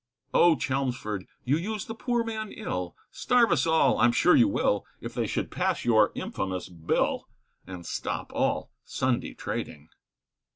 Oh! Chelmsford, you use the poor man ill, Starve us all, I'm sure you will, If they should pass your infamous Bill, And stop all Sunday trading.